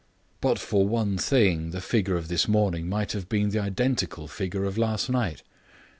But for one thing the figure of this morning might have been the identical figure of last night.